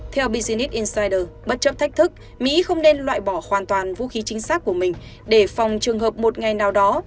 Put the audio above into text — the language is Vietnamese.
theo business incyder bất chấp thách thức mỹ không nên loại bỏ hoàn toàn vũ khí chính xác của mình để phòng trường hợp một ngày nào đó